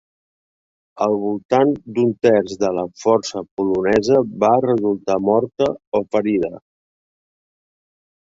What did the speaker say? Al voltant d'un terç de la força polonesa va resultar morta o ferida.